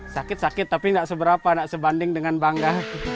sakit sakit tapi tidak seberapa tidak sebanding dengan bangga